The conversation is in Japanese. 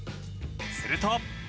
すると。